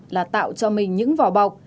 là tạo cho mình những vỏ bọc